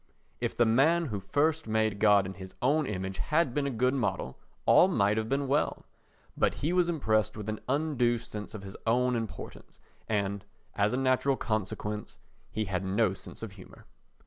If the man who first made God in his own image had been a good model, all might have been well; but he was impressed with an undue sense of his own importance and, as a natural consequence, he had no sense of humour.